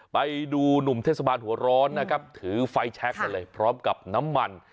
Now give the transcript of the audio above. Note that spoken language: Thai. ไปดูหนุ่มเทศบาลหัวร้อนนะครับถือไฟแชคกันเลยพร้อมกับน้ำมัน